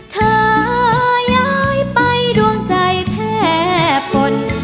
เธอย้ายไปดวงใจแพร่ผล